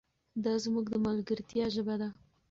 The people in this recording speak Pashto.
دا زموږ د ملګرتیا ژبه ده.